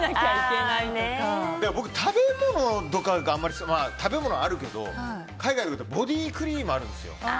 僕、食べ物とかがあまり食べ物もあるけど海外に行くとボディークリームがあるんですよ。